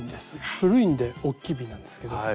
古いんでおっきい瓶なんですけど。